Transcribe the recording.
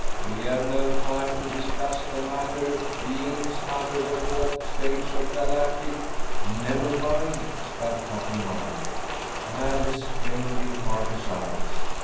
"We have no time to discuss the matter. Beings under the 4th stage of Galactic...." "Never mind!" spat Captain Wiley. Madness flamed in Parker's eyes.